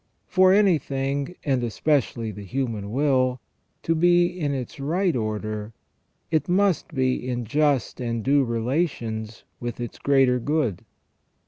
For anything, and especially the human will, to be in its right order, it must be in just and due relations with its greater good.